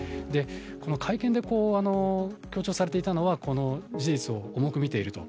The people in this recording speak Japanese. この会見で強調されていたのは事実を重く見ていると。